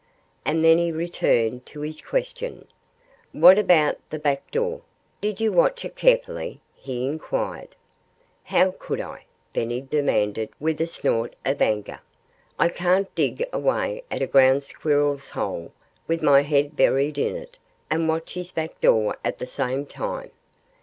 And then he returned to his question. "What about the back door? Did you watch it carefully?" he inquired. "How could I?" Benny demanded, with a snort of anger. "I can't dig away at a Ground Squirrel's hole, with my head buried in it, and watch his back door at the same time.